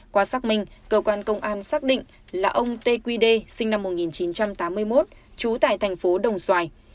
qua xác minh cơ quan công an xác định là ông tê quy đê sinh năm một nghìn chín trăm tám mươi một trú tại thành phố đồng xoài